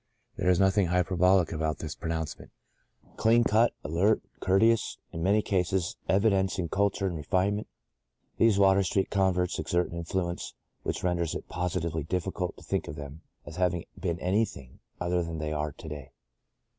There is nothing hyperbolic about this pro nouncement. Clean cut, alert, courteous, in many cases evidencing culture and refine ment, these Water Street converts exert an influence which renders it positively difficult to think of them as having been anything other than they are to day.